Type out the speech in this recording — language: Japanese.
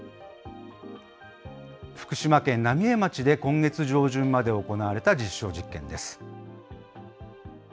福島県浪江町で今月上旬まで行われた実証実験です。